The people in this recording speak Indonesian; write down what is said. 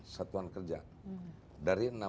delapan puluh sembilan satuan kerja dari enam ratus tiga